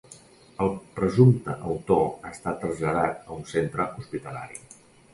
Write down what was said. El presumpte autor ha estat traslladat a un centre hospitalari.